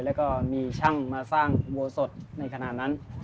แล้วก็มีช่างมาสร้างอุโบสถในขณะนั้น